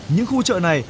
những khu chợ này